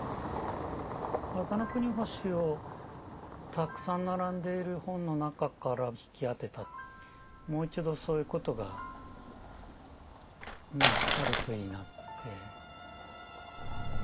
「綿の国星」をたくさん並んでいる本の中から引き当てたもう一度そういうことがねあるといいなって。